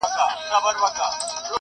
او واه واه به ورته ووایي ,